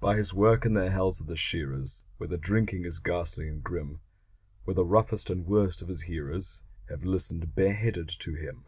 By his work in the hells of the shearers, Where the drinking is ghastly and grim, Where the roughest and worst of his hearers Have listened bareheaded to him.